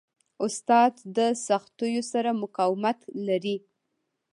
استاد د سختیو سره مقاومت لري.